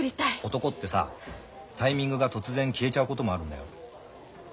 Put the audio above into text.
男ってさタイミングが突然消えちゃうこともあるんだよ。